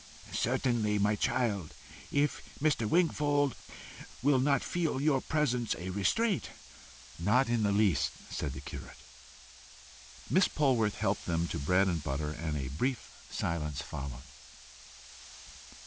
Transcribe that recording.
"Certainly, my child, if Mr. Wingfold will not feel your presence a restraint." "Not in the least," said the curate. Miss Polwarth helped them to bread and butter, and a brief silence followed.